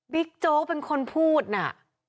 โจ๊กเป็นคนพูดน่ะ